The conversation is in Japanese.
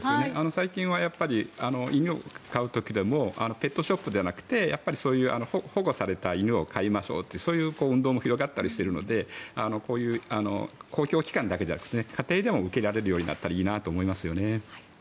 最近は犬を飼う時でもペットショップでなくてそういう保護された犬を飼いましょうってそういう運動も広がったりしているのでこういう公共機関だけじゃなくて家庭でも受けられるようになったらいいなと思いますよね。